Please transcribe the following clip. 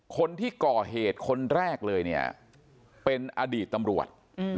คนที่ก่อเหตุคนแรกเลยเป็นอดีตตำรวจ